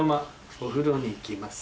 お風呂に行きます。